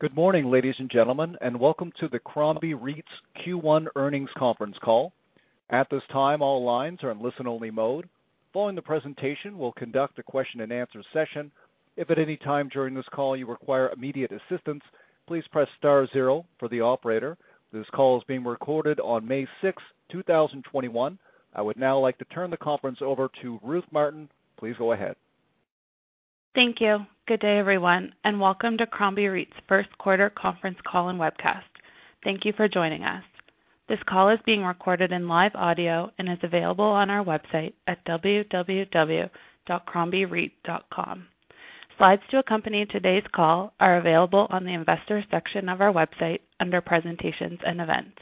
Good morning, ladies and gentlemen, welcome to the Crombie REIT's Q1 Earnings Conference Call. At this time, all lines are in listen-only mode. Following the presentation, we'll conduct a question and answer session. If at any time during this call you require immediate assistance, please press star zero for the operator. This call is being recorded on May 6th, 2021. I would now like to turn the conference over to Ruth Martin. Please go ahead. Thank you. Good day, everyone, and welcome to Crombie REIT's first quarter conference call and webcast. Thank you for joining us. This call is being recorded in live audio and is available on our website at www.crombiereit.com. Slides to accompany today's call are available on the investors section of our website under presentations and events.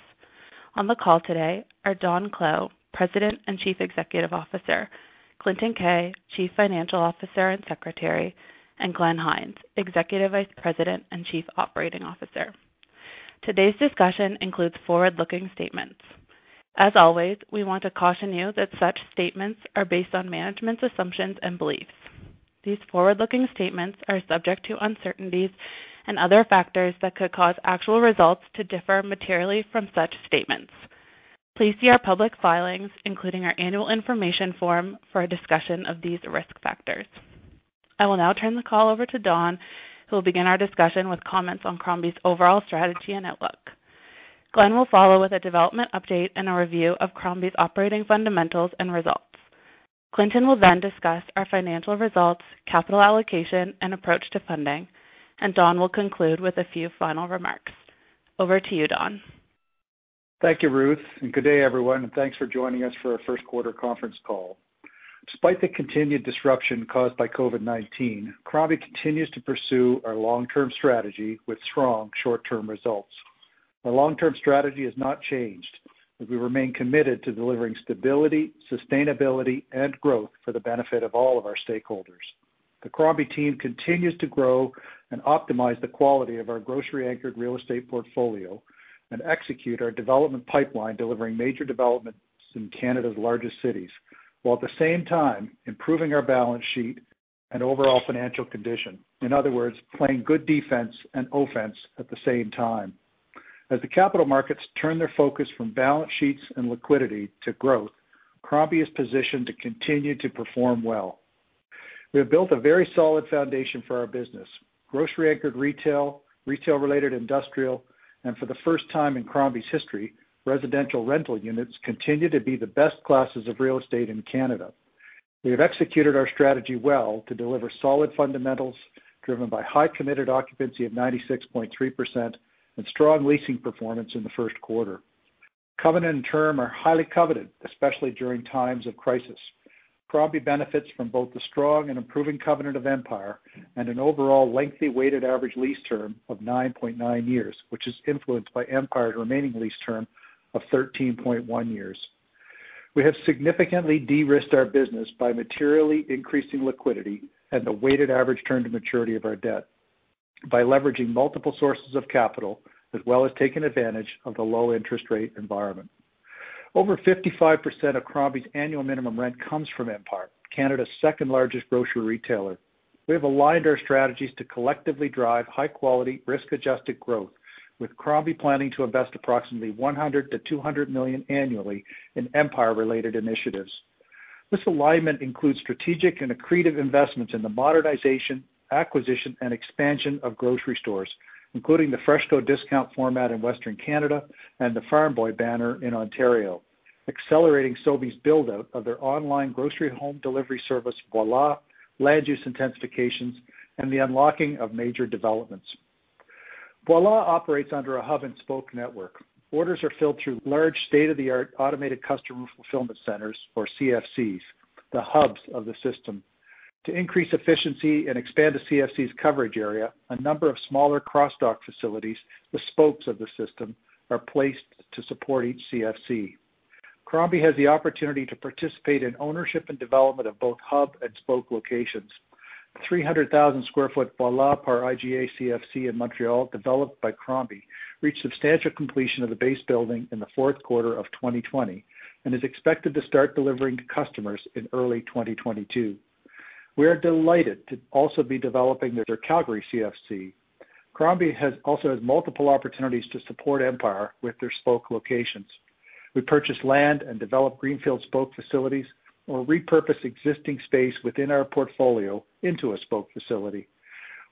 On the call today are Don Clow, President and Chief Executive Officer, Clinton Keay, Chief Financial Officer and Secretary, and Glenn Hynes, Executive Vice President and Chief Operating Officer. Today's discussion includes forward-looking statements. As always, we want to caution you that such statements are based on management's assumptions and beliefs. These forward-looking statements are subject to uncertainties and other factors that could cause actual results to differ materially from such statements. Please see our public filings, including our annual information form, for a discussion of these risk factors. I will now turn the call over to Don, who will begin our discussion with comments on Crombie's overall strategy and outlook. Glenn will follow with a development update and a review of Crombie's operating fundamentals and results. Clinton will then discuss our financial results, capital allocation, and approach to funding, and Don will conclude with a few final remarks. Over to you, Don. Thank you, Ruth, and good day, everyone, and thanks for joining us for our first quarter conference call. Despite the continued disruption caused by COVID-19, Crombie continues to pursue our long-term strategy with strong short-term results. Our long-term strategy has not changed, as we remain committed to delivering stability, sustainability, and growth for the benefit of all of our stakeholders. The Crombie team continues to grow and optimize the quality of our grocery-anchored real estate portfolio and execute our development pipeline, delivering major developments in Canada's largest cities, while at the same time improving our balance sheet and overall financial condition. In other words, playing good defense and offense at the same time. As the capital markets turn their focus from balance sheets and liquidity to growth, Crombie is positioned to continue to perform well. We have built a very solid foundation for our business. Grocery-anchored retail-related industrial, and for the first time in Crombie's history, residential rental units continue to be the best classes of real estate in Canada. We have executed our strategy well to deliver solid fundamentals driven by high committed occupancy of 96.3% and strong leasing performance in the first quarter. Covenant and term are highly coveted, especially during times of crisis. Crombie benefits from both the strong and improving covenant of Empire and an overall lengthy weighted average lease term of 9.9 years, which is influenced by Empire's remaining lease term of 13.1 years. We have significantly de-risked our business by materially increasing liquidity and the weighted average term to maturity of our debt by leveraging multiple sources of capital as well as taking advantage of the low interest rate environment. Over 55% of Crombie's annual minimum rent comes from Empire, Canada's second-largest grocery retailer. We have aligned our strategies to collectively drive high quality, risk-adjusted growth, with Crombie planning to invest approximately 100 million-200 million annually in Empire-related initiatives. This alignment includes strategic and accretive investments in the modernization, acquisition, and expansion of grocery stores, including the FreshCo discount format in Western Canada and the Farm Boy banner in Ontario, accelerating Sobeys' build-out of their online grocery home delivery service, Voilà, land use intensifications, and the unlocking of major developments. Voilà operates under a hub-and-spoke network. Orders are filled through large state-of-the-art automated Customer Fulfillment Centers, or CFCs, the hubs of the system. To increase efficiency and expand the CFC's coverage area, a number of smaller cross-dock facilities, the spokes of the system, are placed to support each CFC. Crombie has the opportunity to participate in ownership and development of both hub-and-spoke locations. The 300,000 square foot Voilà! par IGA CFC in Montreal, developed by Crombie, reached substantial completion of the base building in the fourth quarter of 2020 and is expected to start delivering to customers in early 2022. We are delighted to also be developing their Calgary CFC. Crombie also has multiple opportunities to support Empire with their spoke locations. We purchase land and develop greenfield spoke facilities or repurpose existing space within our portfolio into a spoke facility.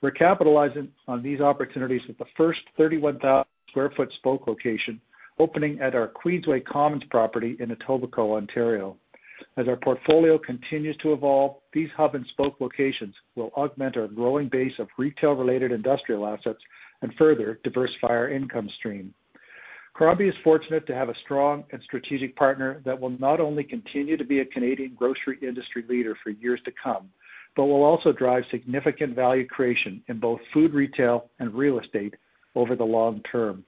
We're capitalizing on these opportunities with the first 31,000 sq ft spoke location opening at our Queensway Commons property in Etobicoke, Ontario. As our portfolio continues to evolve, these hub-and-spoke locations will augment our growing base of retail-related industrial assets and further diversify our income stream. Crombie is fortunate to have a strong and strategic partner that will not only continue to be a Canadian grocery industry leader for years to come but will also drive significant value creation in both food retail and real estate over the long term.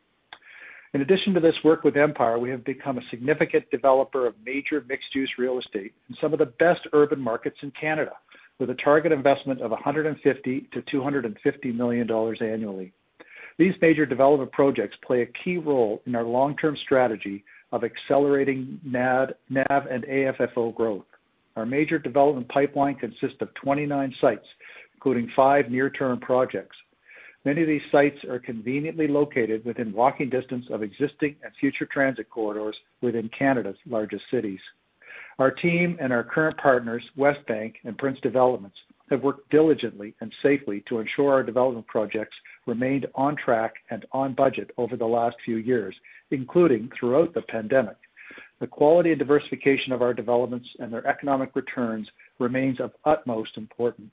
In addition to this work with Empire, we have become a significant developer of major mixed-use real estate in some of the best urban markets in Canada, with a target investment of 150 million-250 million dollars annually. These major development projects play a key role in our long-term strategy of accelerating NAV and AFFO growth. Our major development pipeline consists of 29 sites, including five near-term projects. Many of these sites are conveniently located within walking distance of existing and future transit corridors within Canada's largest cities. Our team and our current partners, Westbank and Prince Developments, have worked diligently and safely to ensure our development projects remained on track and on budget over the last few years, including throughout the pandemic. The quality and diversification of our developments and their economic returns remains of utmost importance.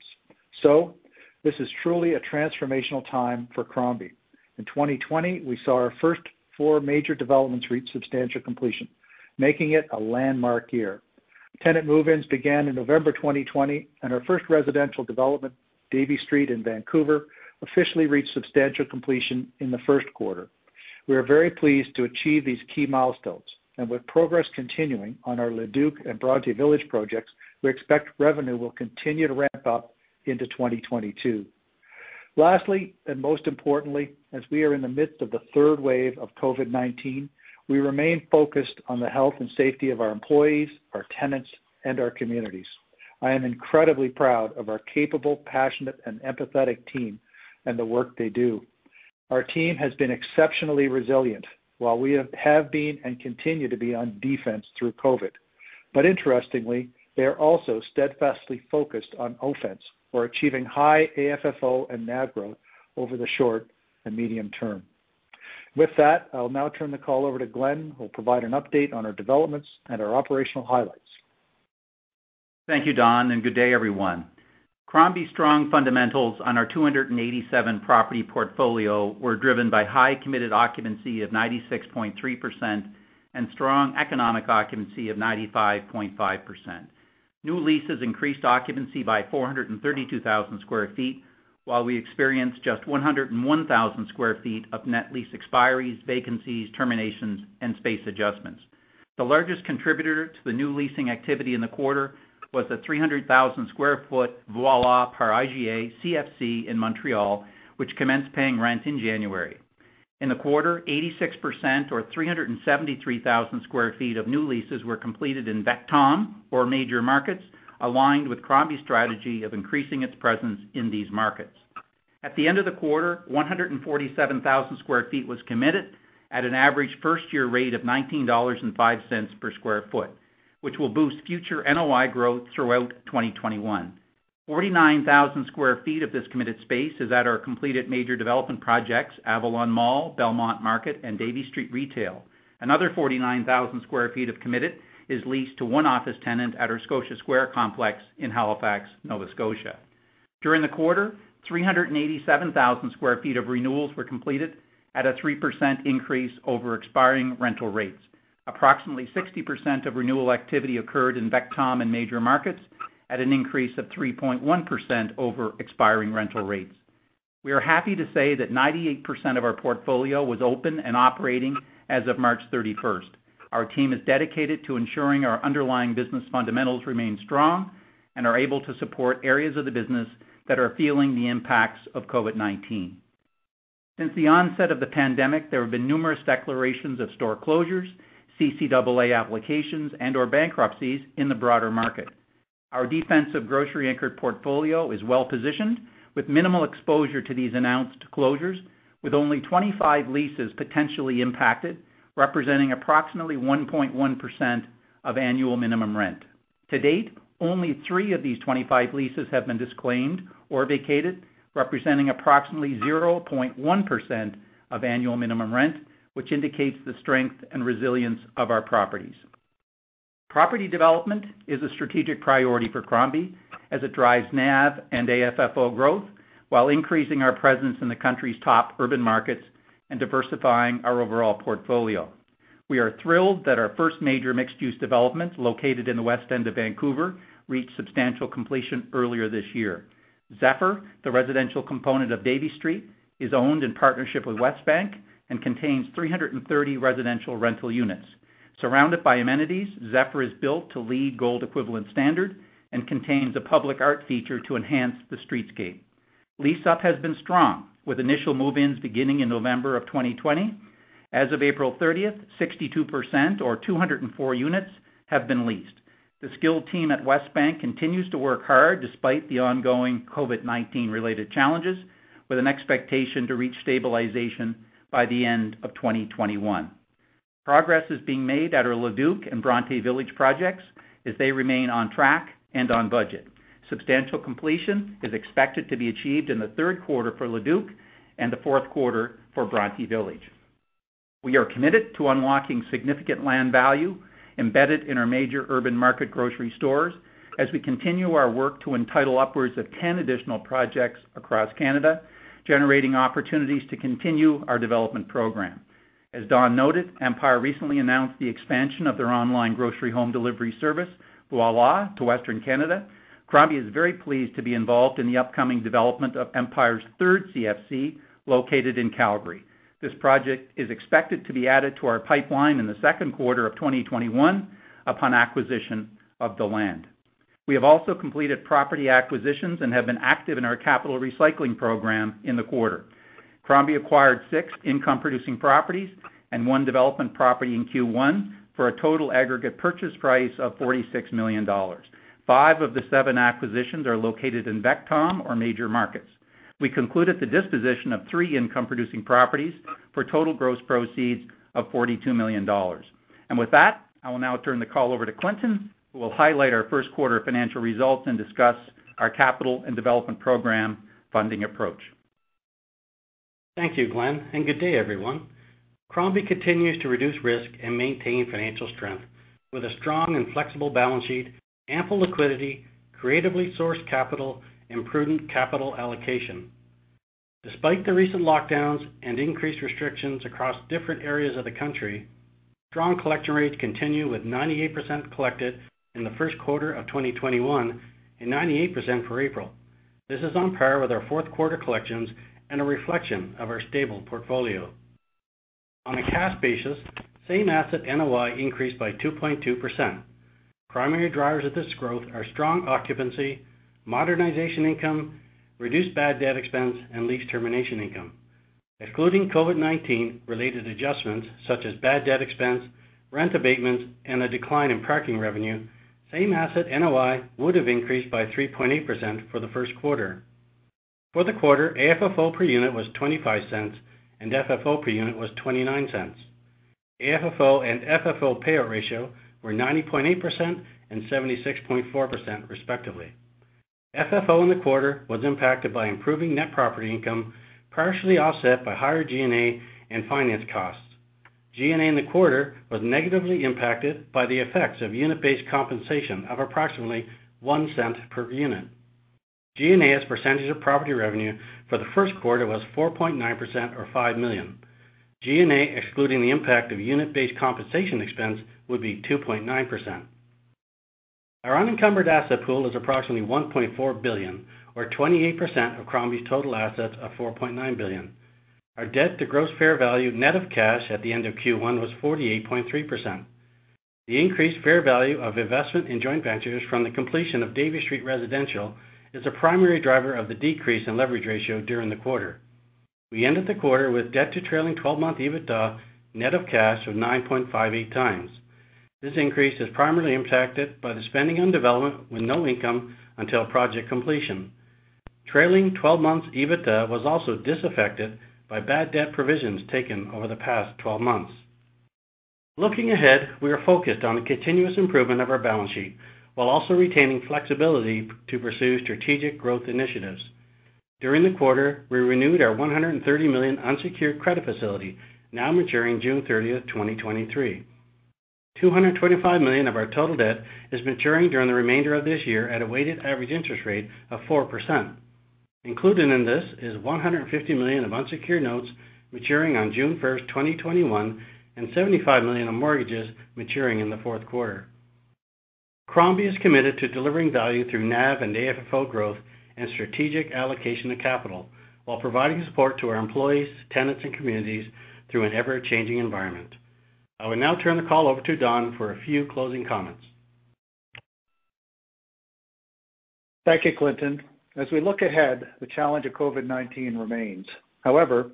This is truly a transformational time for Crombie. In 2020, we saw our first four major developments reach substantial completion, making it a landmark year. Tenant move-ins began in November 2020, and our first residential development, Davie Street in Vancouver, officially reached substantial completion in the first quarter. We are very pleased to achieve these key milestones. With progress continuing on our Le Duke and Bronte Village projects, we expect revenue will continue to ramp up into 2022. Lastly, and most importantly, as we are in the midst of the third wave of COVID-19, we remain focused on the health and safety of our employees, our tenants, and our communities. I am incredibly proud of our capable, passionate, and empathetic team and the work they do. Our team has been exceptionally resilient while we have been and continue to be on defense through COVID. Interestingly, they are also steadfastly focused on offense. We're achieving high AFFO and NAV growth over the short and medium term. With that, I'll now turn the call over to Glenn, who will provide an update on our developments and our operational highlights. Thank you, Don, and good day everyone. Crombie's strong fundamentals on our 287 property portfolio were driven by high committed occupancy of 96.3% and strong economic occupancy of 95.5%. New leases increased occupancy by 432,000 sq ft, while we experienced just 101,000 sq ft of net lease expiries, vacancies, terminations, and space adjustments. The largest contributor to the new leasing activity in the quarter was the 300,000 sq ft Voilà! par IGA CFC in Montreal, which commenced paying rent in January. In the quarter, 86% or 373,000 sq ft of new leases were completed in VECTOM or major markets, aligned with Crombie's strategy of increasing its presence in these markets. At the end of the quarter, 147,000 sq ft was committed at an average first-year rate of 19.05 dollars per square foot, which will boost future NOI growth throughout 2021. 49,000 sq ft of this committed space is at our completed major development projects, Avalon Mall, Belmont Market, and Davie Street Retail. Another 49,000 sq ft of committed is leased to one office tenant at our Scotia Square complex in Halifax, Nova Scotia. During the quarter, 387,000 sq ft of renewals were completed at a 3% increase over expiring rental rates. Approximately 60% of renewal activity occurred in VECTOM and major markets at an increase of 3.1% over expiring rental rates. We are happy to say that 98% of our portfolio was open and operating as of March 31st. Our team is dedicated to ensuring our underlying business fundamentals remain strong and are able to support areas of the business that are feeling the impacts of COVID-19. Since the onset of the pandemic, there have been numerous declarations of store closures, CCAA applications, and/or bankruptcies in the broader market. Our defensive grocery-anchored portfolio is well-positioned with minimal exposure to these announced closures, with only 25 leases potentially impacted, representing approximately 1.1% of annual minimum rent. To date, only three of these 25 leases have been disclaimed or vacated, representing approximately 0.1% of annual minimum rent, which indicates the strength and resilience of our properties. Property development is a strategic priority for Crombie as it drives NAV and AFFO growth while increasing our presence in the country's top urban markets and diversifying our overall portfolio. We are thrilled that our first major mixed-use development located in the West End of Vancouver reached substantial completion earlier this year. Zephyr, the residential component of Davie Street, is owned in partnership with Westbank and contains 330 residential rental units. Surrounded by amenities, Zephyr is built to LEED Gold Equivalent standard and contains a public art feature to enhance the streetscape. Lease up has been strong, with initial move-ins beginning in November of 2020. As of April 30th, 62% or 204 units have been leased. The skilled team at Westbank continues to work hard despite the ongoing COVID-19 related challenges, with an expectation to reach stabilization by the end of 2021. Progress is being made at our Le Duke and Bronte Village projects as they remain on track and on budget. Substantial completion is expected to be achieved in the third quarter for Le Duke and the fourth quarter for Bronte Village. We are committed to unlocking significant land value embedded in our major urban market grocery stores as we continue our work to entitle upwards of 10 additional projects across Canada, generating opportunities to continue our development program. As Don noted, Empire recently announced the expansion of their online grocery home delivery service, Voilà, to Western Canada. Crombie is very pleased to be involved in the upcoming development of Empire's third CFC located in Calgary. This project is expected to be added to our pipeline in the second quarter of 2021 upon acquisition of the land. We have also completed property acquisitions and have been active in our capital recycling program in the quarter. Crombie acquired six income-producing properties and one development property in Q1 for a total aggregate purchase price of 46 million dollars. Five of the seven acquisitions are located in VECTOM or major markets. We concluded the disposition of three income-producing properties for total gross proceeds of 42 million dollars. With that, I will now turn the call over to Clinton, who will highlight our first quarter financial results and discuss our capital and development program funding approach. Thank you, Glenn, and good day everyone. Crombie continues to reduce risk and maintain financial strength with a strong and flexible balance sheet, ample liquidity, creatively sourced capital, and prudent capital allocation. Despite the recent lockdowns and increased restrictions across different areas of the country, strong collection rates continue with 98% collected in the first quarter of 2021 and 98% for April. This is on par with our fourth quarter collections and a reflection of our stable portfolio. On a cash basis, same asset NOI increased by 2.2%. Primary drivers of this growth are strong occupancy, modernization income, reduced bad debt expense, and lease termination income. Excluding COVID-19 related adjustments such as bad debt expense, rent abatements, and a decline in parking revenue, same asset NOI would have increased by 3.8% for the first quarter. For the quarter, AFFO per unit was 0.25 and FFO per unit was 0.29. AFFO and FFO payout ratio were 90.8% and 76.4% respectively. FFO in the quarter was impacted by improving net property income, partially offset by higher G&A and finance costs. G&A in the quarter was negatively impacted by the effects of unit-based compensation of approximately 0.01 per unit. G&A as a percentage of property revenue for the first quarter was 4.9% or 5 million. G&A, excluding the impact of unit-based compensation expense, would be 2.9%. Our unencumbered asset pool is approximately 1.4 billion, or 28% of Crombie's total assets of 4.9 billion. Our debt to gross fair value net of cash at the end of Q1 was 48.3%. The increased fair value of investment in joint ventures from the completion of Davie Street Residential is a primary driver of the decrease in leverage ratio during the quarter. We ended the quarter with debt to trailing 12-month EBITDA net of cash of 9.58x. This increase is primarily impacted by the spending on development with no income until project completion. Trailing 12 months EBITDA was also disaffected by bad debt provisions taken over the past 12 months. Looking ahead, we are focused on the continuous improvement of our balance sheet, while also retaining flexibility to pursue strategic growth initiatives. During the quarter, we renewed our 130 million unsecured credit facility, now maturing June 30th, 2023. 225 million of our total debt is maturing during the remainder of this year at a weighted average interest rate of 4%. Included in this is 150 million of unsecured notes maturing on June 1st, 2021, and 75 million of mortgages maturing in the fourth quarter. Crombie is committed to delivering value through NAV and AFFO growth and strategic allocation of capital, while providing support to our employees, tenants, and communities through an ever-changing environment. I will now turn the call over to Don for a few closing comments. Thank you, Clinton. As we look ahead, the challenge of COVID-19 remains. However,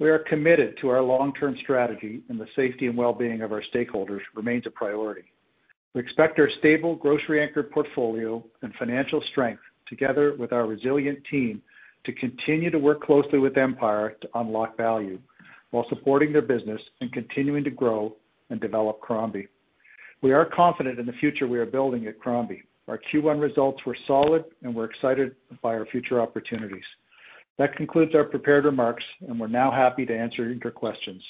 we are committed to our long-term strategy, and the safety and well-being of our stakeholders remains a priority. We expect our stable grocery anchored portfolio and financial strength, together with our resilient team, to continue to work closely with Empire to unlock value while supporting their business and continuing to grow and develop Crombie. We are confident in the future we are building at Crombie. Our Q1 results were solid and we're excited by our future opportunities. That concludes our prepared remarks, and we're now happy to answer your questions.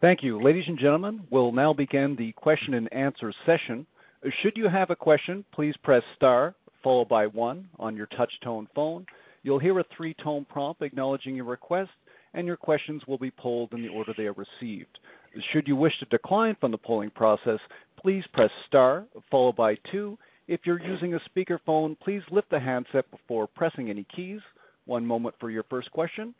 Thank you. Ladies and gentlemen, we'll now begin the question and answer session. Should you have a question, please press star followed by one on your touchtone phone. You'll hear a three-tone prompt acknowledging your request and your question will be pulled in the order they are received. Should you wish to decline from polling process, please press star followed by two. If you are using a speakerphone, please lift the handset before pressing any keys. One moment for your first question.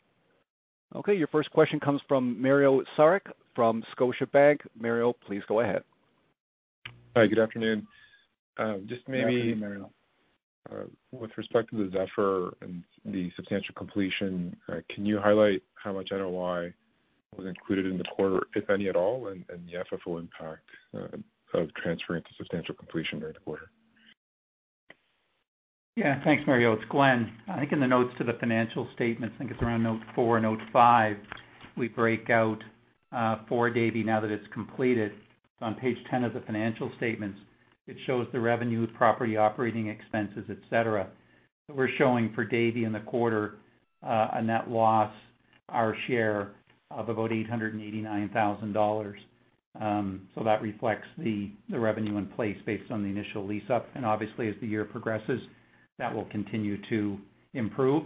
Okay, your first question comes from Mario Saric from Scotiabank. Mario, please go ahead. Hi, good afternoon. Good afternoon, Mario. With respect to the Zephyr and the substantial completion, can you highlight how much NOI was included in the quarter, if any at all, and the FFO impact of transferring to substantial completion during the quarter? Yeah, thanks, Mario. It's Glenn. I think in the notes to the financial statements, I think it's around note four, note five, we break out for Davie now that it's completed. On page 10 of the financial statements, it shows the revenue, property operating expenses, et cetera. We're showing for Davie in the quarter a net loss, our share of about 889,000 dollars. That reflects the revenue in place based on the initial lease up, and obviously as the year progresses, that will continue to improve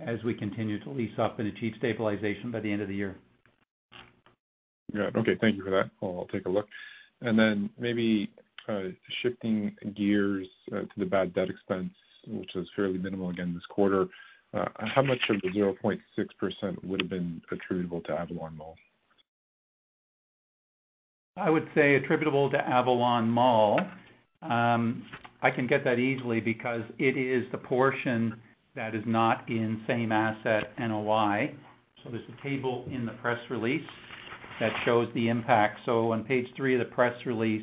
as we continue to lease up and achieve stabilization by the end of the year. Yeah. Okay. Thank you for that. I'll take a look. Maybe shifting gears to the bad debt expense, which was fairly minimal again this quarter, how much of the 0.6% would have been attributable to Avalon Mall? I would say attributable to Avalon Mall. I can get that easily because it is the portion that is not in same asset NOI. There's a table in the press release that shows the impact. On page 3 of the press release,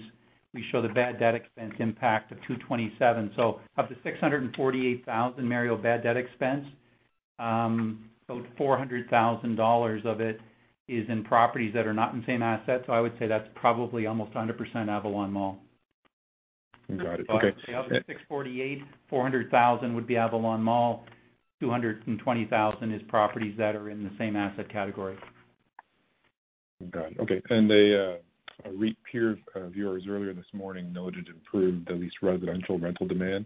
we show the bad debt expense impact of 227. Up to 648,000, Mario, bad debt expense. CAD 400,000 of it is in properties that are not in same asset. I would say that's probably almost 100% Avalon Mall. Got it. Okay. Of the 648, 400,000 would be Avalon Mall, 220,000 is properties that are in the same asset category. Got it. Okay. A REIT peer of yours earlier this morning noted improved, at least residential rental demand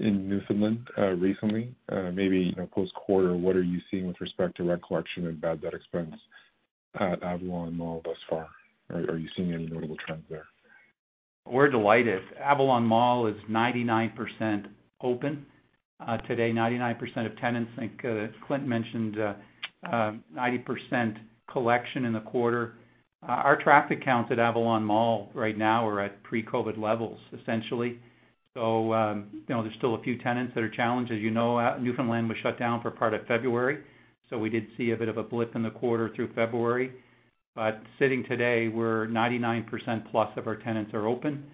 in Newfoundland recently. Maybe post quarter, what are you seeing with respect to rent collection and bad debt expense at Avalon Mall thus far? Are you seeing any notable trends there? We're delighted. Avalon Mall is 99% open today. 99% of tenants, I think Clint mentioned 90% collection in the quarter. Our traffic counts at Avalon Mall right now are at pre-COVID levels, essentially. There's still a few tenants that are challenged. As you know, Newfoundland was shut down for part of February, so we did see a bit of a blip in the quarter through February. Sitting today, we're 99%+ of our tenants are open.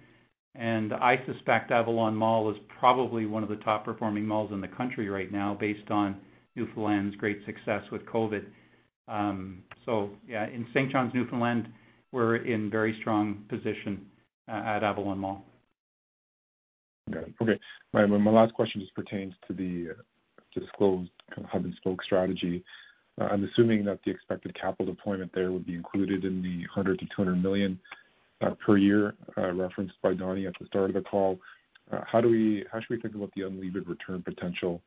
I suspect Avalon Mall is probably one of the top-performing malls in the country right now based on Newfoundland's great success with COVID. Yeah, in St. John's, Newfoundland, we're in very strong position at Avalon Mall. Got it. Okay. My last question just pertains to the disclosed hub-and-spoke strategy. I'm assuming that the expected capital deployment there would be included in the 100 million-200 million per year referenced by Donnie at the start of the call. How should we think about the unlevered return potential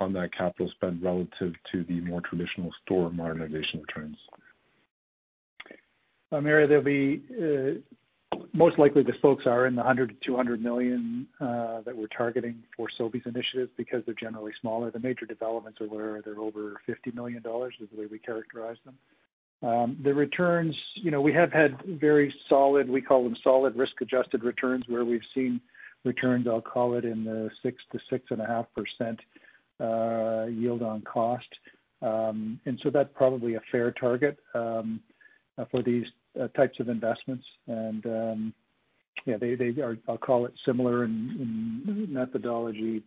on that capital spend relative to the more traditional store modernization returns? Mario, most likely the scope is in the 100 million-200 million that we're targeting for Sobeys initiatives because they're generally smaller. The major developments are where they're over 50 million dollars, is the way we characterize them. The returns, we have had very solid, we call them solid risk-adjusted returns, where we've seen returns, I'll call it, in the 6%-6.5% yield on cost. That's probably a fair target for these types of investments. Yeah, they are, I'll call it similar in methodology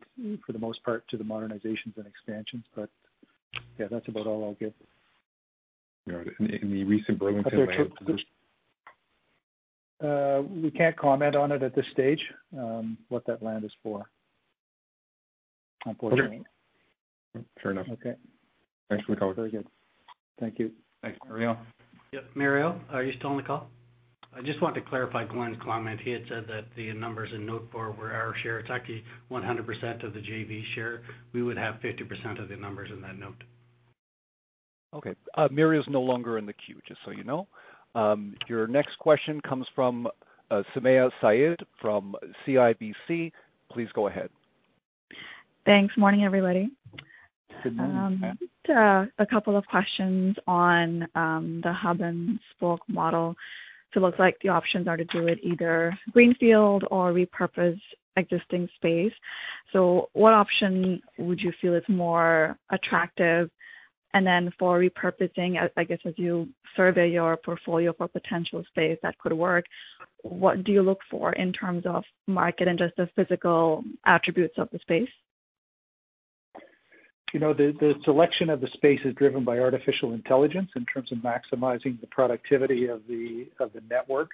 for the most part to the modernizations and expansions. Yeah, that's about all I'll give. Got it. The recent Burlington land acquisition? We can't comment on it at this stage, what that land is for, unfortunately. Okay. Fair enough. Okay. Thanks for the call. Very good. Thank you. Thanks, Mario. Yep, Mario, are you still on the call? I just want to clarify Glenn's comment. He had said that the numbers in note four were our share. It's actually 100% of the JV share. We would have 50% of the numbers in that note. Okay. Mario's no longer in the queue, just so you know. Your next question comes from Sumayya Syed from CIBC. Please go ahead. Thanks. Morning, everybody. Good morning. Just a couple of questions on the hub-and-spoke model. Looks like the options are to do it either greenfield or repurpose existing space. What option would you feel is more attractive? For repurposing, I guess as you survey your portfolio for potential space that could work, what do you look for in terms of market and just the physical attributes of the space? The selection of the space is driven by artificial intelligence in terms of maximizing the productivity of the network.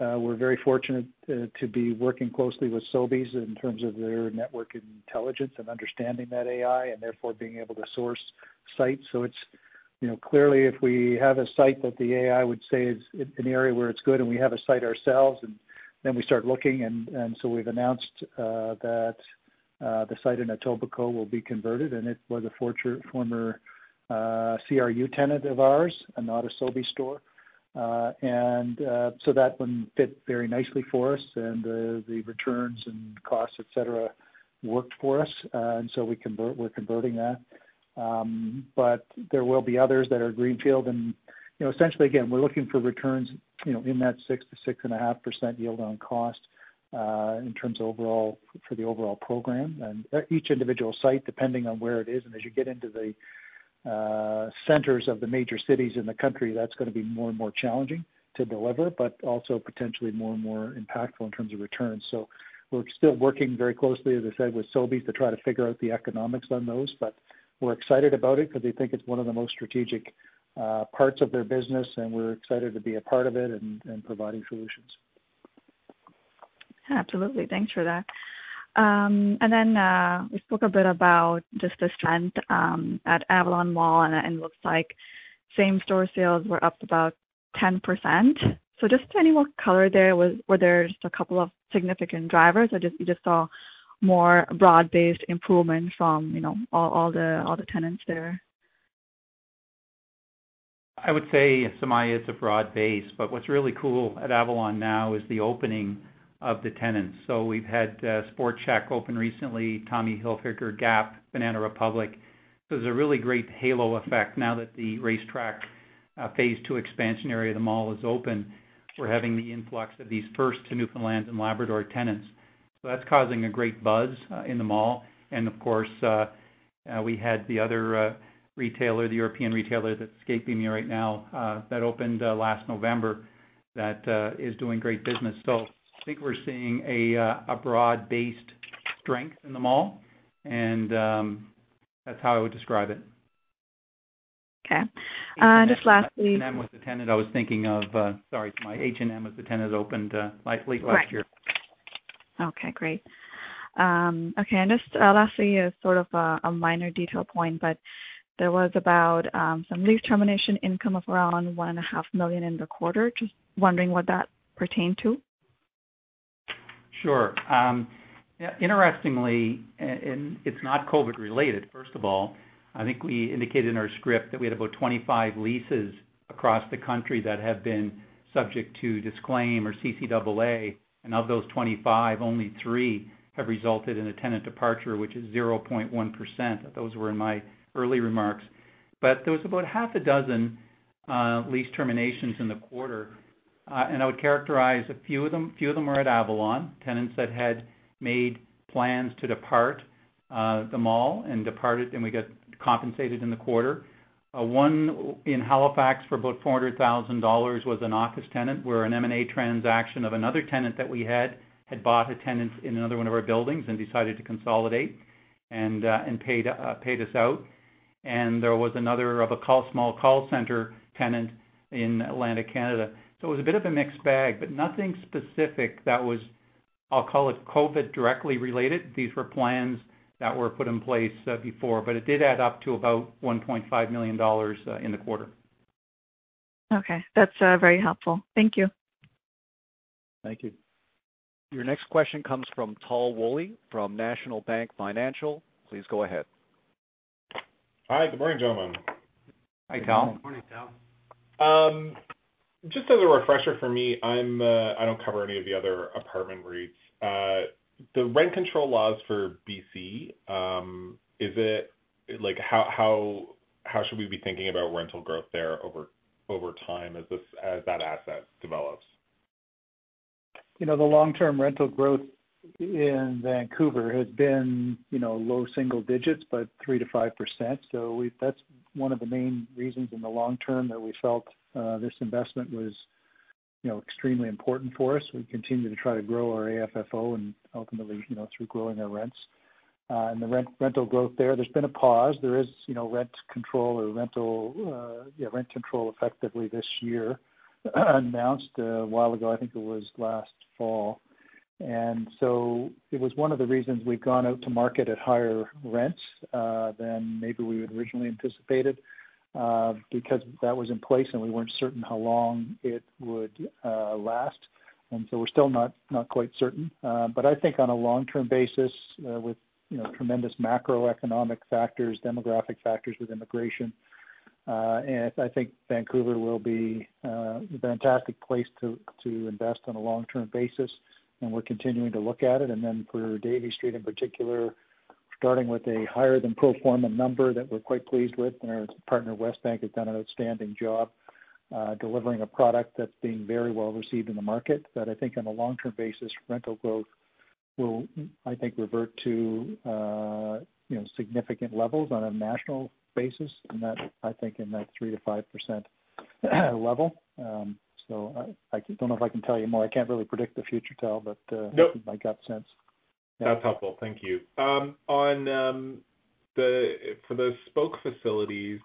We're very fortunate to be working closely with Sobeys in terms of their network intelligence and understanding that AI, and therefore being able to source sites. Clearly if we have a site that the AI would say is an area where it's good and we have a site ourselves, and then we start looking. We've announced that the site in Etobicoke will be converted, and it was a former CRU tenant of ours and not a Sobeys store. That one fit very nicely for us, and the returns and costs, et cetera, worked for us. We're converting that. There will be others that are greenfield and essentially, again, we're looking for returns in that 6%-6.5% yield on cost for the overall program. Each individual site, depending on where it is, and as you get into the centers of the major cities in the country, that's going to be more and more challenging to deliver, but also potentially more and more impactful in terms of returns. We're still working very closely, as I said, with Sobeys to try to figure out the economics on those. We're excited about it because they think it's one of the most strategic parts of their business, and we're excited to be a part of it and providing solutions. Absolutely. Thanks for that. We spoke a bit about just the strength at Avalon Mall, and it looks like same store sales were up about 10%. Just any more color there. Were there just a couple of significant drivers, or you just saw more broad-based improvement from all the tenants there? I would say, Sumayya, it's a broad base, but what's really cool at Avalon now is the opening of the tenants. We've had Sport Chek open recently, Tommy Hilfiger, Gap, Banana Republic. There's a really great halo effect now that the racetrack phase 2 expansion area of the mall is open. We're having the influx of these first Newfoundland and Labrador tenants. That's causing a great buzz in the mall. Of course, we had the other retailer, the European retailer that's escaping me right now, that opened last November that is doing great business. I think we're seeing a broad-based strength in the mall, and that's how I would describe it. Okay. Just lastly- H&M was the tenant I was thinking of. Sorry, H&M was the tenant that opened late last year. Right. Okay, great. Okay. Just lastly, as sort of a minor detail point, but there was about some lease termination income of around 1.5 million in the quarter. Just wondering what that pertained to? Sure. Interestingly, it's not COVID related, first of all. I think we indicated in our script that we had about 25 leases across the country that have been subject to disclaim or CCAA. Of those 25, only three have resulted in a tenant departure, which is 0.1%. Those were in my early remarks. There was about half a dozen lease terminations in the quarter. I would characterize a few of them are at Avalon, tenants that had made plans to depart the mall and departed, and we got compensated in the quarter. One in Halifax for about 400,000 dollars was an office tenant, where an M&A transaction of another tenant that we had bought a tenant in another one of our buildings and decided to consolidate and paid us out. There was another of a small call center tenant in Atlantic Canada. It was a bit of a mixed bag, but nothing specific that was, I'll call it COVID directly related. These were plans that were put in place before. It did add up to about 1.5 million dollars in the quarter. Okay. That's very helpful. Thank you. Thank you. Your next question comes from Tal Woolley from National Bank Financial. Please go ahead. Hi, good morning, gentlemen. Hi, Tal. Morning, Tal. Just as a refresher for me, I don't cover any of the other apartment REITs. The rent control laws for B.C., how should we be thinking about rental growth there over time as that asset develops? The long-term rental growth in Vancouver has been low single digits, but 3%-5%. That's one of the main reasons in the long term that we felt this investment was extremely important for us. We continue to try to grow our AFFO and ultimately through growing our rents. The rental growth there's been a pause. There is rent control effectively this year, announced a while ago, I think it was last fall. It was one of the reasons we've gone out to market at higher rents than maybe we had originally anticipated because that was in place, and we weren't certain how long it would last. We're still not quite certain. I think on a long-term basis with tremendous macroeconomic factors, demographic factors with immigration I think Vancouver will be a fantastic place to invest on a long-term basis, and we're continuing to look at it. Then for Davie Street in particular, starting with a higher than pro forma number that we're quite pleased with, and our partner, Westbank, has done an outstanding job delivering a product that's being very well received in the market. I think on a long-term basis, rental growth will, I think, revert to significant levels on a national basis, and I think in that 3%-5% level. I don't know if I can tell you more. I can't really predict the future, Tal. Nope That's my gut sense. That's helpful. Thank you. For the Spoke facilities,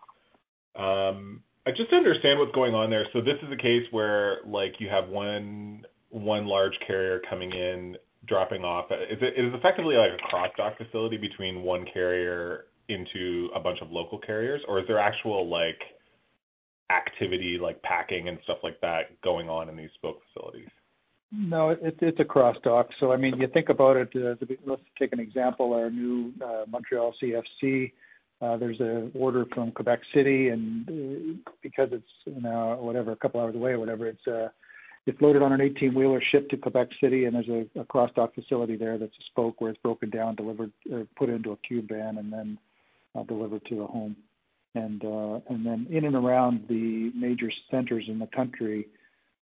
I just understand what's going on there. This is a case where you have one large carrier coming in, dropping off. Is it effectively like a cross-dock facility between one carrier into a bunch of local carriers? Is there actual activity, like packing and stuff like that going on in these Spoke facilities? It's a cross-dock. You think about it, let's take an example, our new Montreal CFC. There's an order from Quebec City, because it's whatever, a couple hours away or whatever, it's loaded on an 18-wheeler, shipped to Quebec City. There's a cross-dock facility there that's a Spoke where it's broken down, delivered, put into a cube van, then delivered to a home. Then in and around the major centers in the country,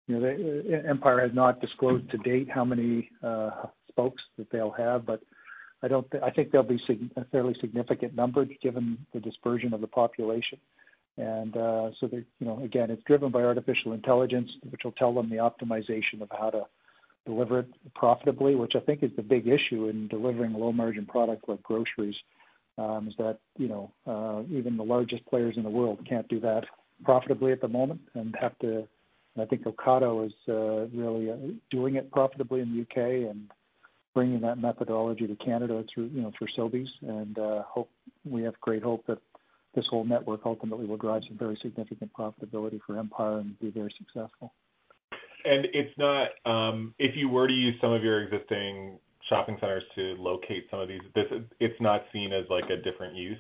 Empire has not disclosed to date how many Spokes that they'll have, I think there'll be a fairly significant number given the dispersion of the population. Again, it's driven by artificial intelligence, which will tell them the optimization of how to deliver it profitably, which I think is the big issue in delivering a low-margin product like groceries, is that even the largest players in the world can't do that profitably at the moment and have to I think Ocado is really doing it profitably in the U.K. and bringing that methodology to Canada through Sobeys. We have great hope that this whole network ultimately will drive some very significant profitability for Empire and be very successful. If you were to use some of your existing shopping centers to locate some of these, it's not seen as a different use?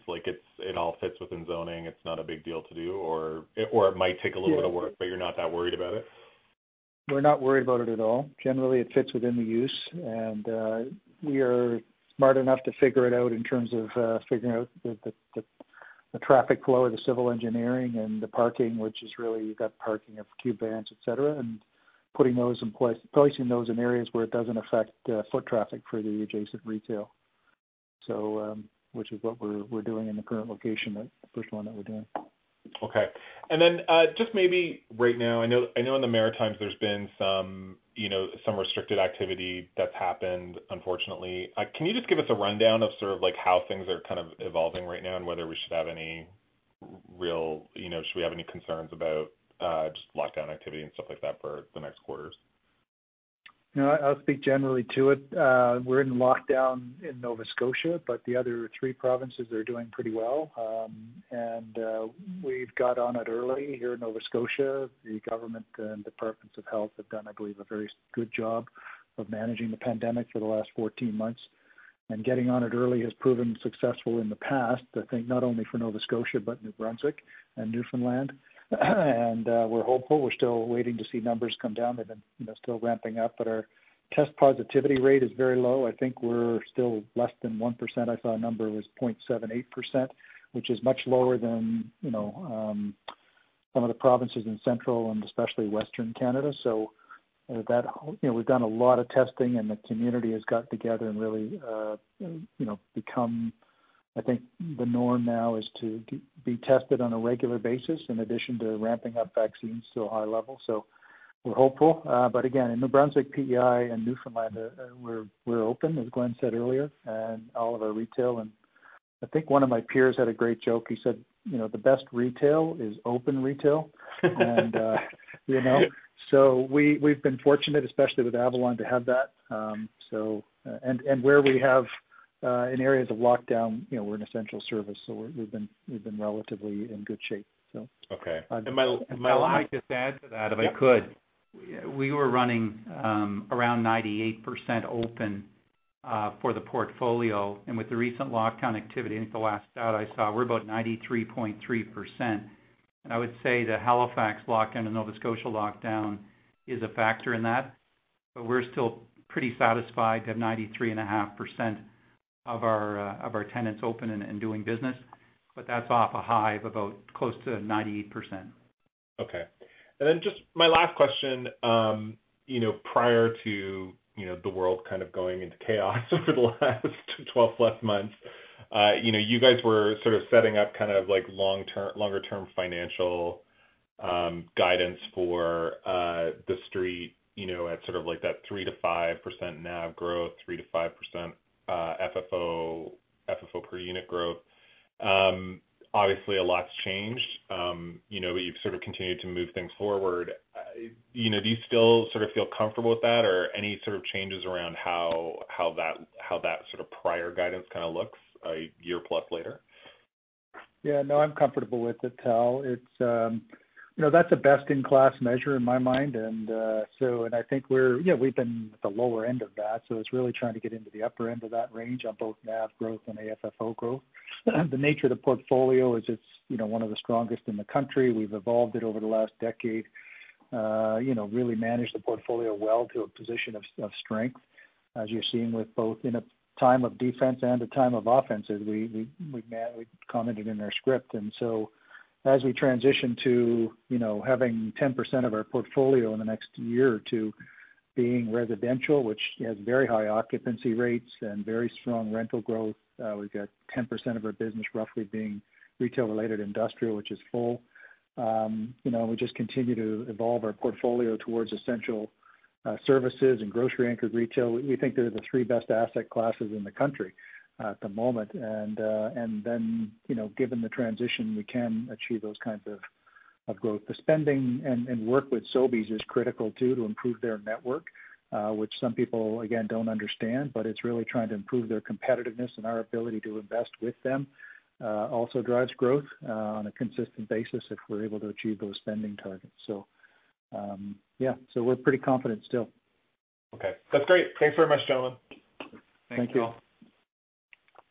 It all fits within zoning, it's not a big deal to do, or it might take a little bit of work, but you're not that worried about it? We're not worried about it at all. Generally, it fits within the use. We are smart enough to figure it out in terms of figuring out the traffic flow, the civil engineering, and the parking, which is really that parking of cube vans, et cetera, and placing those in areas where it doesn't affect foot traffic for the adjacent retail. Which is what we're doing in the current location, the first one that we're doing. Okay. Just maybe right now, I know in the Maritimes there's been some restricted activity that's happened, unfortunately. Can you just give us a rundown of how things are kind of evolving right now and whether we should have any concerns about just lockdown activity and stuff like that for the next quarters? No, I'll speak generally to it. We're in lockdown in Nova Scotia, but the other three provinces are doing pretty well. We've got on it early here in Nova Scotia. The government and departments of health have done, I believe, a very good job of managing the pandemic for the last 14 months, and getting on it early has proven successful in the past, I think, not only for Nova Scotia, but New Brunswick and Newfoundland. We're hopeful. We're still waiting to see numbers come down. They've been still ramping up. Our test positivity rate is very low. I think we're still less than 1%. I saw a number was 0.78%, which is much lower than some of the provinces in central and especially western Canada. We've done a lot of testing, and the community has got together and really become, I think, the norm now is to be tested on a regular basis in addition to ramping up vaccines to a high level. We're hopeful. Again, in New Brunswick, PEI, and Newfoundland, we're open, as Glenn said earlier, and all of our retail. I think one of my peers had a great joke. He said, "The best retail is open retail." We've been fortunate, especially with Avalon, to have that. Where we have in areas of lockdown, we're an essential service, so we've been relatively in good shape. Okay. I might just add to that, if I could. We were running around 98% open for the portfolio. With the recent lockdown activity, I think the last stat I saw, we're about 93.3%. I would say the Halifax lockdown and Nova Scotia lockdown is a factor in that, but we're still pretty satisfied to have 93.5% of our tenants open and doing business. That's off a high of about close to 98%. Okay. Just my last question. Prior to the world kind of going into chaos over the last 12+ months, you guys were sort of setting up kind of longer term financial guidance for The Street at sort of that 3%-5% NAV growth, 3%-5% FFO per unit growth. Obviously, a lot's changed. You've sort of continued to move things forward. Do you still sort of feel comfortable with that? Any sort of changes around how that sort of prior guidance kind of looks a year plus later? Yeah, no, I'm comfortable with it, Tal. That's a best-in-class measure in my mind. I think we've been at the lower end of that, so it's really trying to get into the upper end of that range on both NAV growth and AFFO growth. The nature of the portfolio is it's one of the strongest in the country. We've evolved it over the last decade, really managed the portfolio well to a position of strength, as you're seeing with both in a time of defense and a time of offensive, we've commented in our script. As we transition to having 10% of our portfolio in the next year or two being residential, which has very high occupancy rates and very strong rental growth, we've got 10% of our business roughly being retail-related industrial, which is full. We just continue to evolve our portfolio towards essential services and grocery anchored retail. We think they're the three best asset classes in the country at the moment. Given the transition, we can achieve those kinds of growth. The spending and work with Sobeys is critical, too, to improve their network, which some people, again, don't understand, but it's really trying to improve their competitiveness, and our ability to invest with them also drives growth on a consistent basis if we're able to achieve those spending targets. Yeah. We're pretty confident still. Okay. That's great. Thanks very much, gentlemen. Thank you.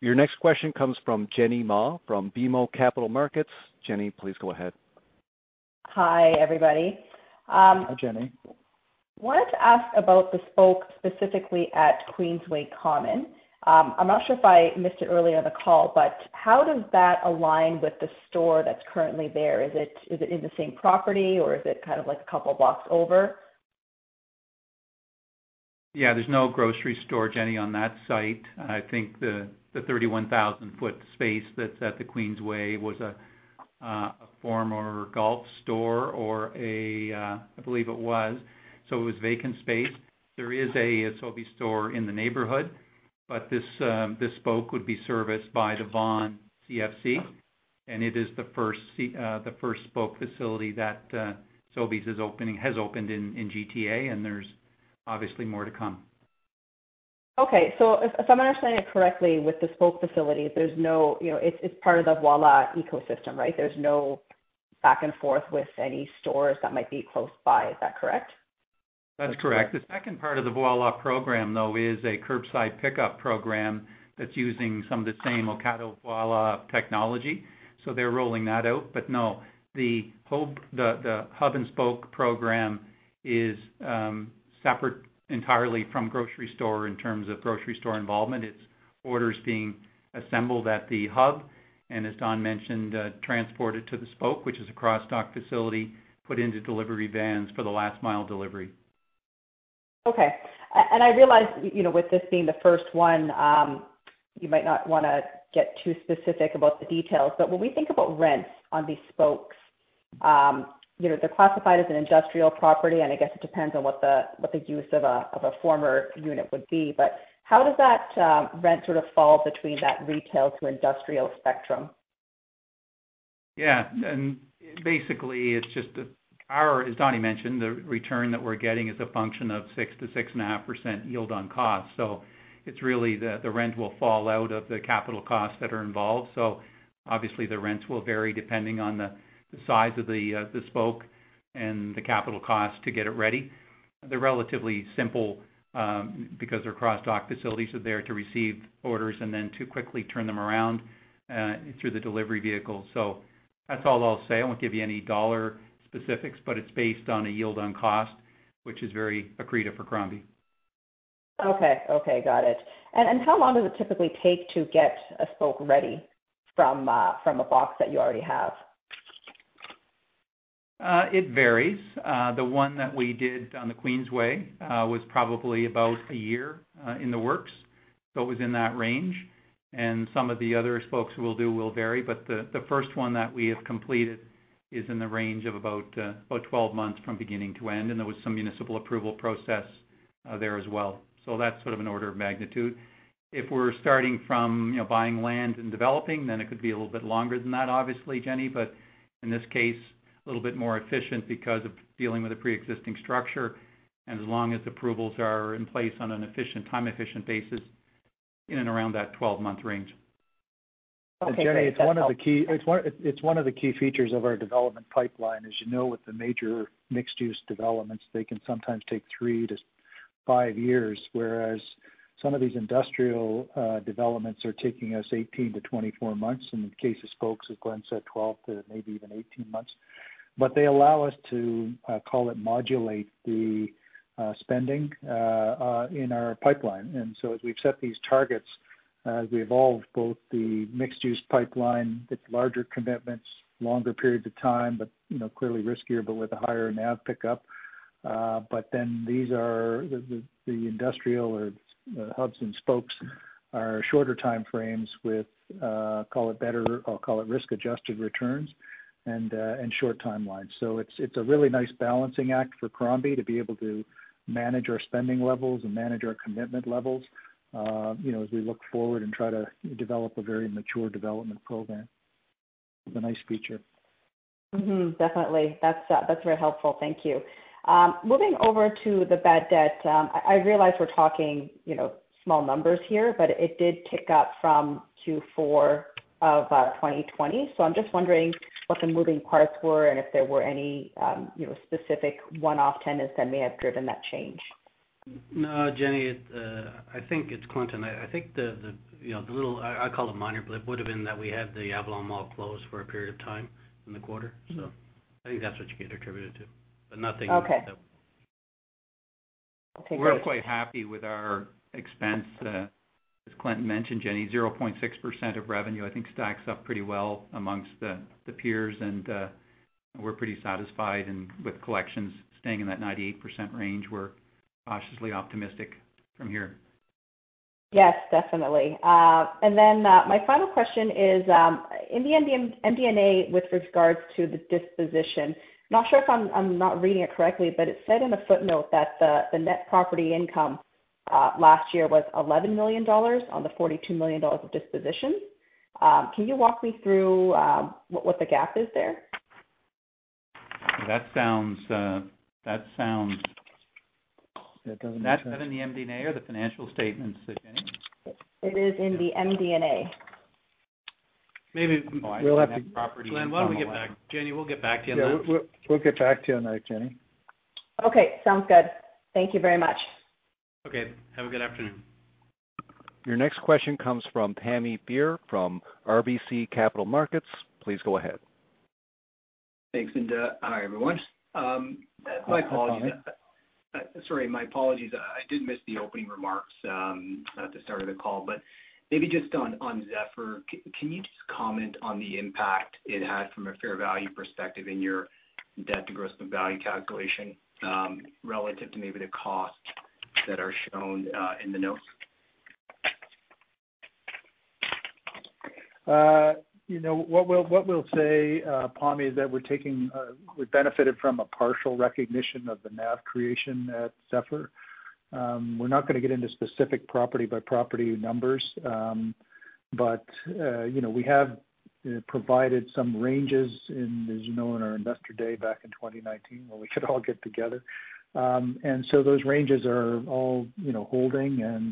Your next question comes from Jenny Ma from BMO Capital Markets. Jenny, please go ahead. Hi, everybody. Hi, Jenny. wanted to ask about the Spoke specifically at Queensway Common? I'm not sure if I missed it earlier on the call, but how does that align with the store that's currently there? Is it in the same property, or is it kind of a couple blocks over? There's no grocery store, Jenny, on that site. I think the 31,000 foot space that's at the Queensway was a former Golf store, or I believe it was. It was vacant space. There is a Sobeys store in the neighborhood. This spoke would be serviced by the Vaughan CFC, and it is the first spoke facility that Sobeys has opened in GTA. There's obviously more to come. Okay. If I'm understanding it correctly, with the spoke facilities, it's part of the Voilà ecosystem, right? There's no back and forth with any stores that might be close by. Is that correct? That's correct. The second part of the Voilà program, though, is a curbside pickup program that's using some of the same Ocado Voilà technology. They're rolling that out. No, the hub-and-spoke program is separate entirely from grocery store in terms of grocery store involvement. Its orders being assembled at the hub, and as Don mentioned, transported to the spoke, which is a cross-dock facility, put into delivery vans for the last mile delivery. Okay. I realize, with this being the first one, you might not want to get too specific about the details. When we think about rents on these spokes, they're classified as an industrial property, and I guess it depends on what the use of a former unit would be. How does that rent sort of fall between that retail to industrial spectrum? Yeah. Basically, as Donnie mentioned, the return that we're getting is a function of 6%-6.5% yield on cost. It's really the rent will fall out of the capital costs that are involved. Obviously the rents will vary depending on the size of the spoke and the capital cost to get it ready. They're relatively simple because their cross-dock facilities are there to receive orders and then to quickly turn them around through the delivery vehicle. That's all I'll say. I won't give you any dollar specifics, but it's based on a yield on cost, which is very accretive for Crombie. Okay. Got it. How long does it typically take to get a spoke ready from a box that you already have? It varies. The one that we did on the Queensway was probably about a year in the works. It was in that range. Some of the other spokes we'll do will vary, but the first one that we have completed is in the range of about 12 months from beginning to end. There was some municipal approval process there as well. That's sort of an order of magnitude. If we're starting from buying land and developing, it could be a little bit longer than that, obviously, Jenny. In this case, a little bit more efficient because of dealing with a preexisting structure. As long as approvals are in place on a time-efficient basis, in and around that 12-month range. Okay, great. That helps. Jenny, it's one of the key features of our development pipeline. As you know, with the major mixed-use developments, they can sometimes take three to five years, whereas some of these industrial developments are taking us 18-24 months. In the case of spokes, as Glenn said, 12 to maybe even 18 months. They allow us to, call it, modulate the spending in our pipeline. As we've set these targets, as we evolve both the mixed-use pipeline with larger commitments, longer periods of time, but clearly riskier, but with a higher NAV pickup. These are the industrial hubs-and-spokes are shorter time frames with, call it risk-adjusted returns and short timelines. It's a really nice balancing act for Crombie to be able to manage our spending levels and manage our commitment levels as we look forward and try to develop a very mature development program. It's a nice feature. Mm-hmm. Definitely. That's very helpful. Thank you. Moving over to the bad debt. I realize we're talking small numbers here, but it did tick up from Q4 of 2020. I'm just wondering what the moving parts were and if there were any specific one-off tenants that may have driven that change. No, Jenny. It's Clinton. I call it minor, but it would've been that we had the Avalon Mall close for a period of time in the quarter. I think that's what you can attribute it to- Okay ...that. I'll take that. We're quite happy with our expense. As Clinton mentioned, Jenny, 0.6% of revenue, I think, stacks up pretty well amongst the peers, and we're pretty satisfied with collections staying in that 98% range. We're cautiously optimistic from here. Yes, definitely. My final question is, in the MD&A with regards to the disposition, I'm not sure if I'm not reading it correctly, but it said in a footnote that the net property income last year was 11 million dollars on the 42 million dollars of disposition. Can you walk me through what the gap is there? That sounds- Is that in the MD&A or the financial statements there, Jenny? It is in the MD&A. Maybe- Oh, I thought. Glenn, why don't we get back? Jenny, we'll get back to you on that. Yeah. We'll get back to you on that, Jenny. Okay, sounds good. Thank you very much. Okay. Have a good afternoon. Your next question comes from Pammi Bir from RBC Capital Markets. Please go ahead. Thanks, and hi, everyone. Hi, Pammi. Sorry, my apologies. I did miss the opening remarks at the start of the call. Maybe just on Zephyr, can you just comment on the impact it had from a fair value perspective in your debt to gross value calculation relative to maybe the costs that are shown in the notes? What we'll say, Pammi, is that we've benefited from a partial recognition of the NAV creation at Zephyr. We're not going to get into specific property by property numbers. We have provided some ranges, as you know, in our Investor Day back in 2019, when we could all get together. Those ranges are all holding.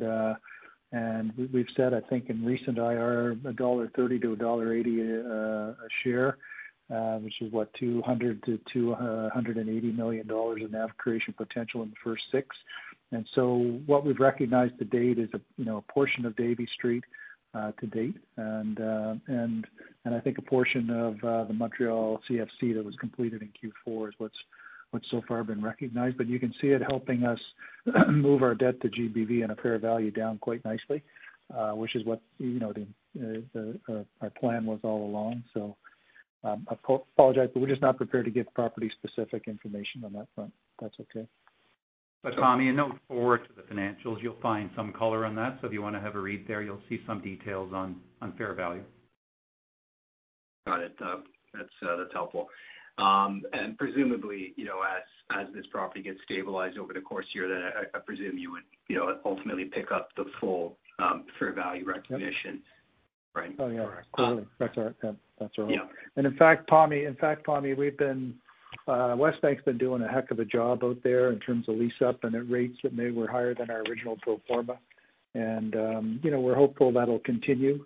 We've said, I think in recent IR, 1.30-1.80 dollar a share, which is what, 200 million-280 million dollars in NAV creation potential in the first six. What we've recognized to date is a portion of Davie Street to date. I think a portion of the Montreal CFC that was completed in Q4 is what's so far been recognized. You can see it helping us move our debt to GBV and a fair value down quite nicely, which is what our plan was all along. I apologize, but we're just not prepared to give property-specific information on that front, if that's okay. Pammi, a note forward to the financials, you'll find some color on that. If you want to have a read there, you'll see some details on fair value. Got it. That's helpful. Presumably, as this property gets stabilized over the course of the year, then I presume you would ultimately pick up the full fair value recognition. Yep. right? Oh, yeah. Correct. Totally. That's all right. Yep. That's all right. Yeah. In fact, Pammi, Westbank's been doing a heck of a job out there in terms of lease-up and at rates that maybe were higher than our original pro forma. We're hopeful that'll continue.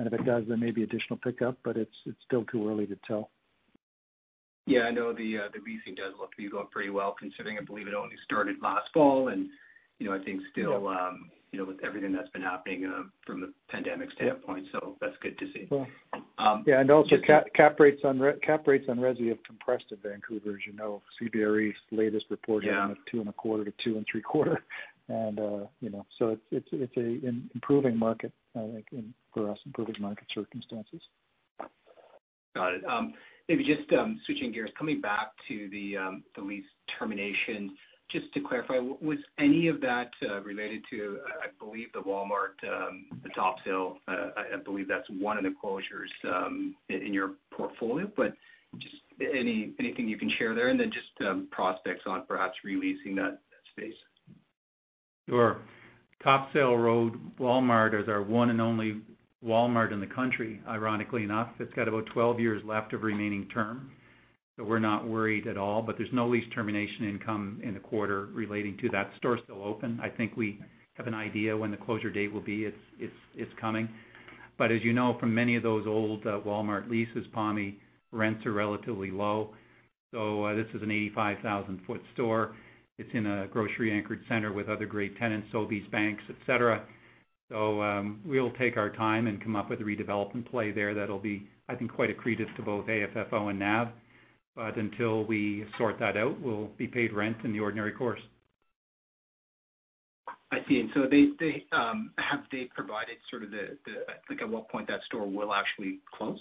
If it does, there may be additional pickup, but it's still too early to tell. Yeah, I know the leasing does look to be going pretty well considering, I believe it only started last fall. I think still- Yeah. ...with everything that's been happening from the pandemic standpoint, so that's good to see. Yeah. Also cap rates on resi have compressed in Vancouver. As you know, CBRE's latest report- Yeah. ...having of 2.25%-2.75%. It's an improving market, I think, for us, improving market circumstances. Got it. Maybe just switching gears, coming back to the lease termination, just to clarify, was any of that related to, I believe, the Walmart, the Topsail. I believe that's one of the closures in your portfolio. Just anything you can share there, and then just prospects on perhaps re-leasing that space. Sure. Topsail Road Walmart is our one and only Walmart in the country, ironically enough. It's got about 12 years left of remaining term. We're not worried at all. There's no lease termination income in the quarter relating to that. Store's still open. I think we have an idea when the closure date will be. It's coming. As you know, from many of those old Walmart leases, Pammi, rents are relatively low. This is an 85,000-foot store. It's in a grocery-anchored center with other great tenants, Sobeys, banks, et cetera. We'll take our time and come up with a redevelopment play there that'll be, I think, quite accretive to both AFFO and NAV. Until we sort that out, we'll be paid rent in the ordinary course. I see. Have they provided sort of the, I think at what point that store will actually close?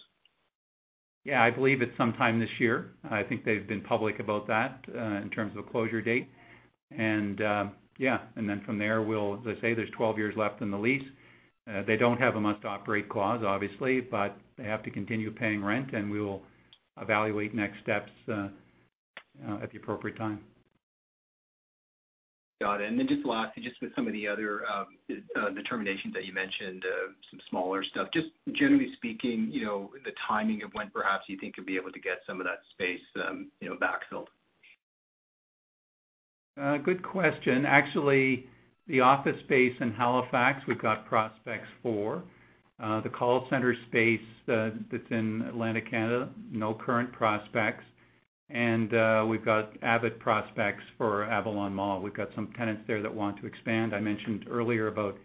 Yeah, I believe it's sometime this year. I think they've been public about that in terms of a closure date. From there, as I say, there's 12 years left in the lease. They don't have a must-operate clause, obviously, but they have to continue paying rent, and we will evaluate next steps at the appropriate time. Got it. Lastly, just with some of the other terminations that you mentioned, some smaller stuff, just generally speaking, the timing of when perhaps you think you'll be able to get some of that space backfilled. Good question. Actually, the office space in Halifax, we've got prospects for. The call center space that's in Atlantic Canada, no current prospects. We've got avid prospects for Avalon Mall. We've got some tenants there that want to expand. I mentioned earlier about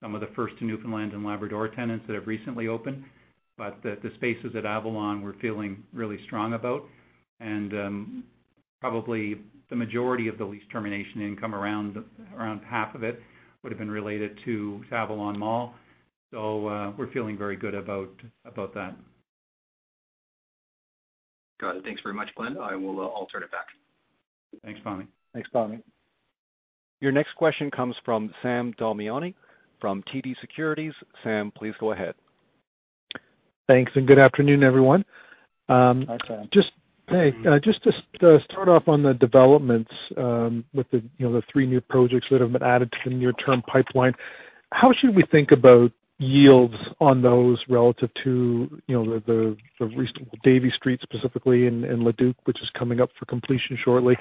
some of the first Newfoundland and Labrador tenants that have recently opened. The spaces at Avalon, we're feeling really strong about. Probably the majority of the lease termination income, around half of it, would've been related to Avalon Mall. We're feeling very good about that. Got it. Thanks very much, Glenn. I will alternate back. Thanks, Pammi. Thanks, Pammi. Your next question comes from Sam Damiani from TD Securities. Sam, please go ahead. Thanks. Good afternoon, everyone. Hi, Sam. Hey. Just to start off on the developments with the three new projects that have been added to the near-term pipeline, how should we think about yields on those relative to the recent Davie Street specifically and Le Duke, which is coming up for completion shortly,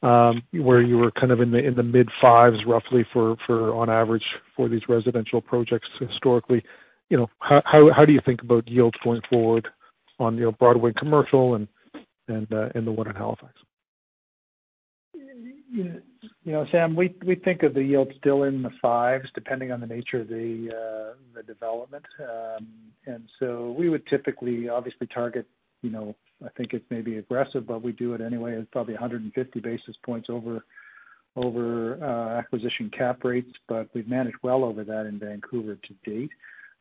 where you were kind of in the mid-5s roughly on average for these residential projects historically. How do you think about yields going forward on Broadway Commercial and the one in Halifax? Sam, we think of the yields still in the 5s, depending on the nature of the development. We would typically, obviously target, I think it may be aggressive, but we do it anyway at probably 150 basis points over acquisition cap rates. We've managed well over that in Vancouver to date.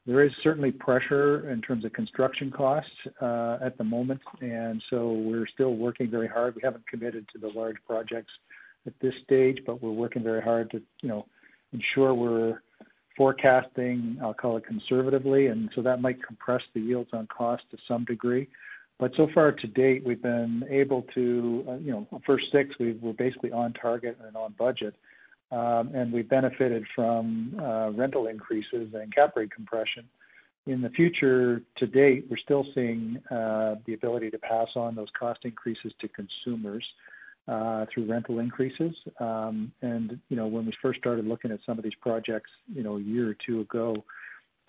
There is certainly pressure in terms of construction costs at the moment, we're still working very hard. We haven't committed to the large projects at this stage, we're working very hard to ensure we're forecasting, I'll call it conservatively. That might compress the yields on cost to some degree. So far to date, we've been able to, first six, we're basically on target and on budget. We benefited from rental increases and cap rate compression. In the future, to date, we're still seeing the ability to pass on those cost increases to consumers through rental increases. When we first started looking at some of these projects a year or two ago,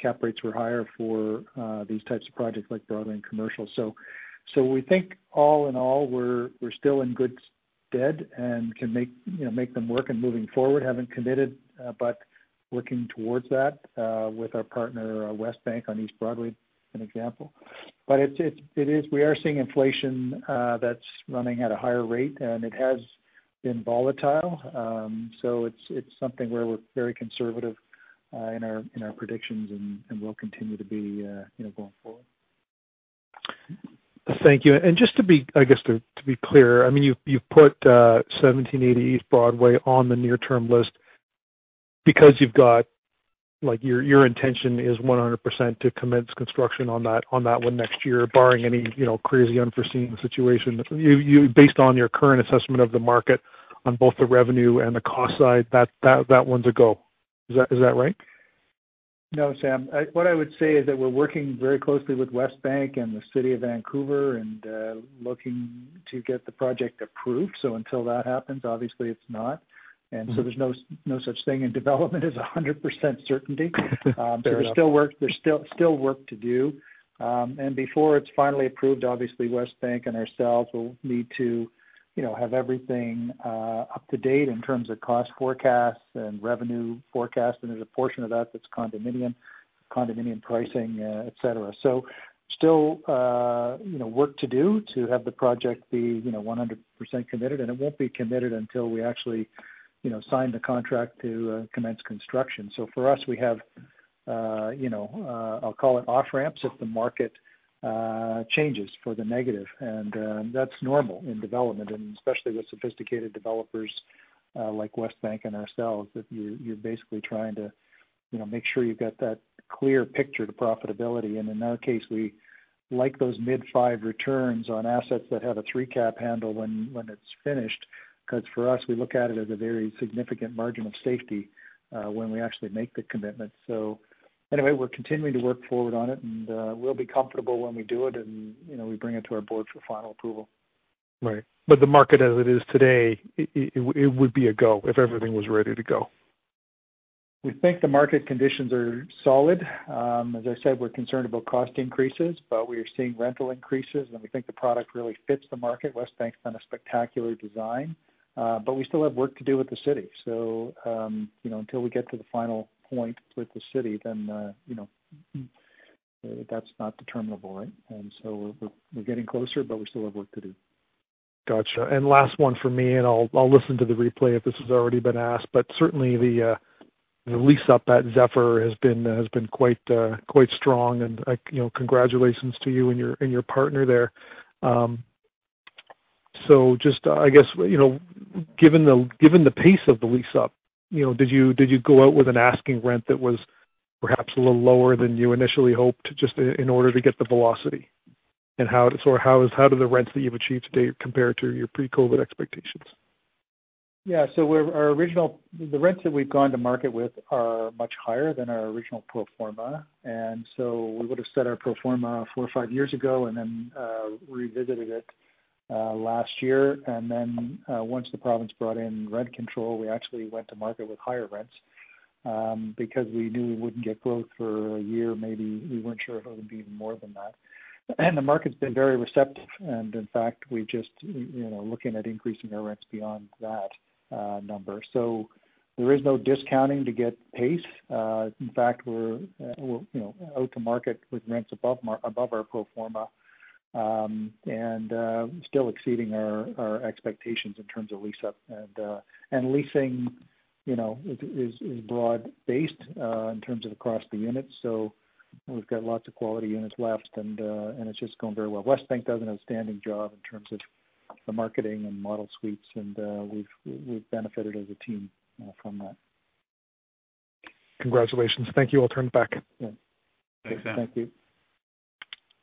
cap rates were higher for these types of projects like Broadway and Commercial. We think all in all, we're still in good stead and can make them work and moving forward, haven't committed, but looking towards that with our partner Westbank on East Broadway, an example. We are seeing inflation that's running at a higher rate, and it has been volatile. It's something where we're very conservative in our predictions and will continue to be going forward. Thank you. Just, I guess to be clear, you've put 1780 East Broadway on the near-term list because your intention is 100% to commence construction on that one next year, barring any crazy unforeseen situation. Based on your current assessment of the market on both the revenue and the cost side, that one's a go. Is that right? No, Sam. What I would say is that we're working very closely with Westbank and the City of Vancouver and looking to get the project approved. Until that happens, obviously it's not. There's no such thing in development as 100% certainty. Fair enough. There's still work to do. Before it's finally approved, obviously Westbank and ourselves will need to have everything up to date in terms of cost forecasts and revenue forecasts, and there's a portion of that that's condominium pricing, et cetera. Still work to do to have the project be 100% committed, and it won't be committed until we actually sign the contract to commence construction. For us, we have, I'll call it off-ramps if the market changes for the negative. That's normal in development, especially with sophisticated developers like Westbank and ourselves, that you're basically trying to make sure you've got that clear picture to profitability. In our case, we like those mid-five returns on assets that have a three-cap handle when it's finished. Because for us, we look at it as a very significant margin of safety when we actually make the commitment. We're continuing to work forward on it and we'll be comfortable when we do it and we bring it to our board for final approval. Right. The market as it is today, it would be a go if everything was ready to go. We think the market conditions are solid. As I said, we're concerned about cost increases, but we are seeing rental increases, and we think the product really fits the market. Westbank's done a spectacular design. We still have work to do with the city. Until we get to the final point with the city, then that's not determinable. We're getting closer, but we still have work to do. Got you. Last one for me, and I'll listen to the replay if this has already been asked. Certainly the lease-up at Zephyr has been quite strong and congratulations to you and your partner there. Just, I guess, given the pace of the lease-up, did you go out with an asking rent that was perhaps a little lower than you initially hoped, just in order to get the velocity? How do the rents that you've achieved today compare to your pre-COVID expectations? Yeah. The rents that we've gone to market with are much higher than our original pro forma. We would've set our pro forma four or five years ago and revisited it last year. Once the province brought in rent control, we actually went to market with higher rents because we knew we wouldn't get growth for a year, maybe we weren't sure if it would be even more than that. The market's been very receptive and in fact, we're just looking at increasing our rents beyond that number. There is no discounting to get pace. In fact, we're out to market with rents above our pro forma, and still exceeding our expectations in terms of lease-up. Leasing is broad-based in terms of across the units, we've got lots of quality units left and it's just going very well. Westbank does an outstanding job in terms of the marketing and model suites. We've benefited as a team from that. Congratulations. Thank you. I'll turn it back. Yeah. Thank you.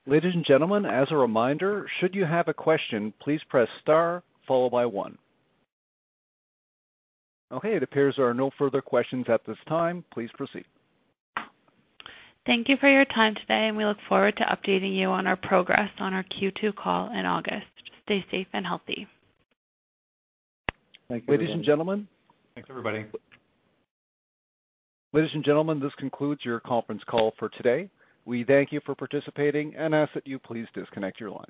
Ladies and gentlemen, as a reminder, should you have a question, please press star, followed by one. Okay, it appears there are no further questions at this time. Please proceed. Thank you for your time today. We look forward to updating you on our progress on our Q2 call in August. Stay safe and healthy. Thank you. Ladies and gentlemen- Thanks, everybody. Ladies and gentlemen, this concludes your conference call for today. We thank you for participating and ask that you please disconnect your line.